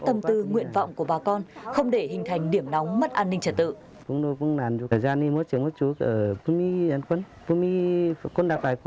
tâm tư nguyện vọng của bà con không để hình thành điểm nóng mất an ninh trật tự